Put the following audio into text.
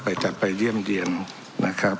ก็จะไปเยี่ยมเยียนนะครับ